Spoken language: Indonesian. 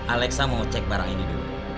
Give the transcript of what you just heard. alexa mau cek barang ini dulu